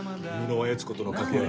箕輪悦子との掛け合い